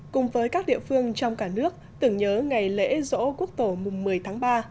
cùng với các địa phương trong cả nước tưởng nhớ ngày lễ dỗ quốc tổ mùng một mươi tháng ba